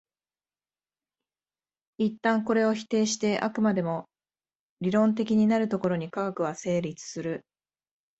一旦これを否定して飽くまでも理論的になるところに科学は成立する。